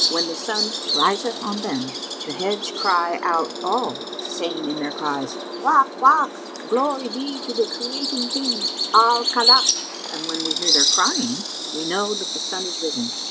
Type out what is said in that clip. [FN#127] When the sun riseth on them, the heads cry out all, saying in their cries:— 'Wak! Wak! Glory be to the Creating King, Al Khallák!' And when we hear their crying, we know that the sun is risen.